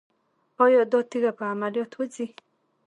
ایا دا تیږه په عملیات وځي؟